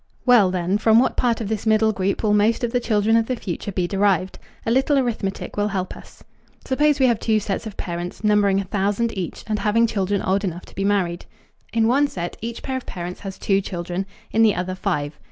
Well, then, from what part of this middle group will most of the children of the future be derived? A little arithmetic will help us. Suppose we have two sets of parents, numbering a thousand each and having children old enough to be married. In one set each pair of parents has two children; in the other five.